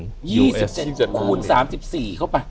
คูณ๓๔เข้าไป